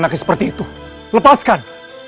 naki seperti itu lepaskan